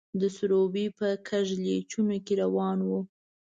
د سروبي په کږلېچونو کې روان وو.